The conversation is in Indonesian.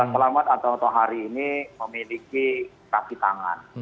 selamat atau hari ini memiliki kaki tangan